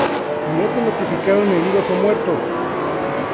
No se notificaron heridos o muertos.